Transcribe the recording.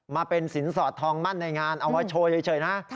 มาเป็นสินสอดทองมั่นในงานเอามาโชว์เฉยนะ